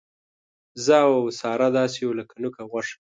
زه او ساره داسې یو لک نوک او غوښه.